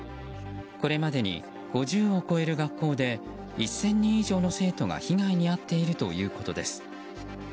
これまでに５０を超える学校で１０００人以上の生徒が被害に遭っているということです。